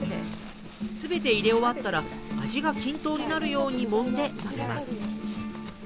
全て入れ終わったら味が均等になるようにもんで混ぜます。